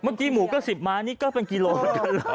มีหมูก็สิบม้านนี่ก็เป็นกิโลกันเหรอ